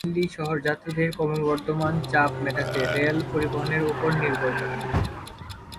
দিল্লি শহর যাত্রীদের ক্রমবর্ধমান চাপ মেটাতে রেল পরিবহনের উপর নির্ভর করে।